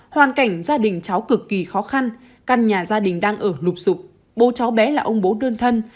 hoàn cảnh gia đình cháu cực kỳ khó khăn căn nhà gia đình đang ở nục sụp bố cháu bé là ông bố đơn thân